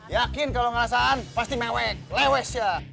yakin kalo ngasahan pasti mewek lewes ya